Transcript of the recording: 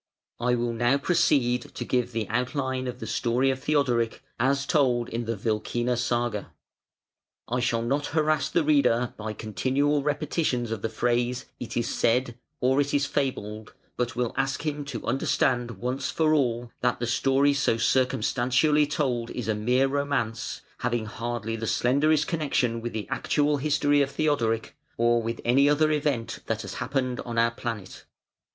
I will now proceed to give the outline of the story of Theodoric as told in the "Wilkina Saga", I shall not harass the reader by continual repetitions of the phrase "It is said", or "It is fabled", but will ask him to understand once for all that the story so circumstantially told is a mere romance, having hardly the slenderest connection with the actual history of Theodoric, or with any other event that has happened on our planet.